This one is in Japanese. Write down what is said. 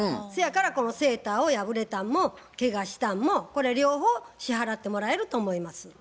そやからこのセーターを破れたんもケガしたんもこれ両方支払ってもらえると思います。